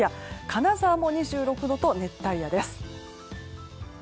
金沢も２６度と熱帯夜です。